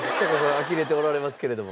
あきれておられますけれども。